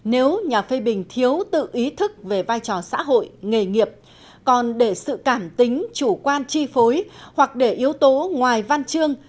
nếu nhà phê bình thiếu tự ý thức về vai trò xã hội nghề nghiệp còn để sự cảm tính chủ quan chi phối hoặc để yếu tố ngoài văn chương